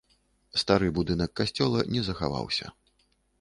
Стары будынак касцёла не захаваўся.